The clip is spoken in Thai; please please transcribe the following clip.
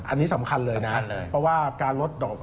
อันนี้สำคัญเลยนะเพราะว่าการลดดอก